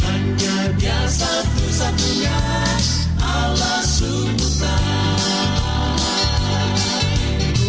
hanya dia satu satunya allah sungguh baik